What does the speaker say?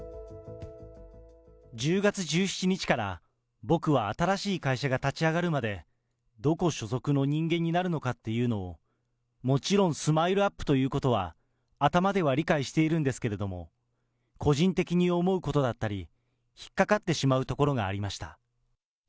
１０月１７日から僕は新しい会社が立ち上がるまで、どこ所属の人間になるのかっていうのを、もちろんＳＭＩＬＥーＵＰ．ということは頭では理解しているんですけれども、個人的に思うことだったり、引っ掛かってしまうところがありました。